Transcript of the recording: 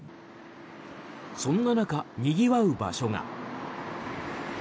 そんな中、にぎわう場所が。